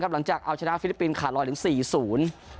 หลังจากเอาชนะฟิลิปปินส์ขาดรอยถึงสี่ศูนย์